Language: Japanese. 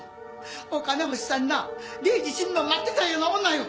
お金欲しさにな礼司死ぬのを待ってたような女よ。